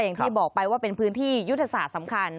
อย่างที่บอกไปว่าเป็นพื้นที่ยุทธศาสตร์สำคัญ